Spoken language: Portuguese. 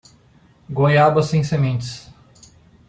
Goiaba sem sementes